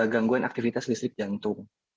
gangguan aktivitas listrik jantung